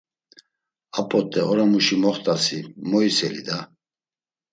Ar p̌ot̆e oramuşi moxt̆asi moyseli da!